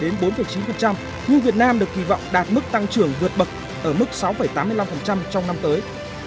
như việt nam được kỳ vọng đạt mức tăng trưởng vượt bậc ở mức sáu tám mươi năm trong năm tới